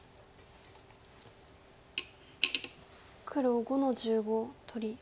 黒５の十五取り。